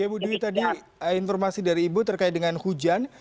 ya bu dwi tadi informasi dari ibu terkait dengan hujan